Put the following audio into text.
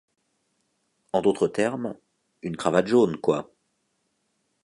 En d’autres termes : une cravate jaune, quoi.